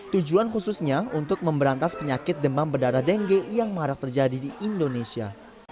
tujuan khususnya untuk memberantas penyakit demam berdarah dengue yang marak terjadi di indonesia